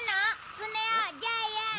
スネ夫ジャイアン。